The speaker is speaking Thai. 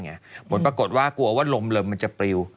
หมดปรากฏว่ากลัวว่าลมมันจะปริว